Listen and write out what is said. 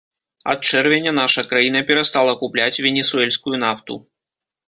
Ад чэрвеня наша краіна перастала купляць венесуэльскую нафту.